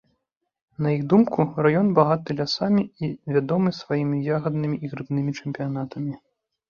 На іх думку, раён багаты лясамі і вядомы сваімі ягаднымі і грыбнымі чэмпіянатамі.